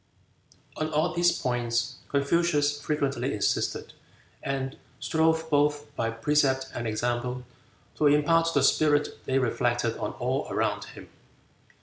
On all these points Confucius frequently insisted, and strove both by precept and example to impart the spirit they reflected on all around him.